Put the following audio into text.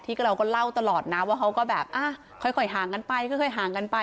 เราก็เล่าตลอดนะว่าเขาก็แบบค่อยห่างกันไปค่อยห่างกันไป